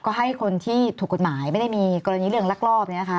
ก็ให้คนที่ถูกกฎหมายไม่ได้มีกรณีเรื่องลักลอบเนี่ยค่ะ